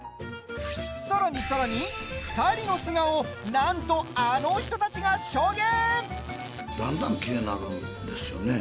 さらにさらに、２人の素顔をなんとあの人たちが証言。